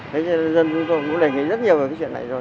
thế nên là dân cũng đề nghị rất nhiều về cái chuyện này rồi